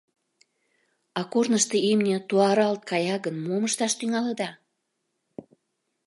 — А корнышто имне туаралт кая гын, мом ышташ тӱҥалыда?